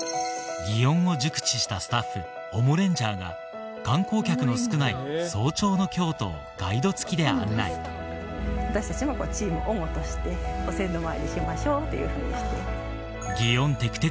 祇園を熟知したスタッフＯＭＯレンジャーが観光客の少ない早朝の京都をガイド付きで案内私たちもチームＯＭＯとしてお千度参りしましょうというふうにしています。